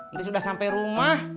ini sudah sampai rumah